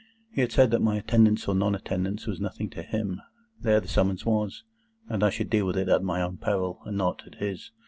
He had said that my attendance or non attendance was nothing to him; there the summons was; and I should deal with it at my own peril, and not at his.